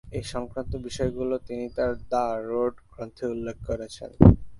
এ সংক্রান্ত বিষয়গুলো তিনি তাঁর "দ্য রোড" গ্রন্থে উল্লেখ করেছেন।